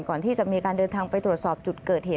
ก่อนที่จะมีการเดินทางไปตรวจสอบจุดเกิดเหตุ